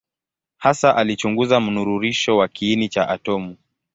Hasa alichunguza mnururisho wa kiini cha atomu.